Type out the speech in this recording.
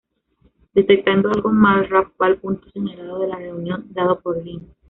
Detectando algo mal, Ralf va al punto señalado de la reunión, dado por Lin.